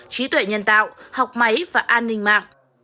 trí tuệ nhân tạo học máy và an ninh mạng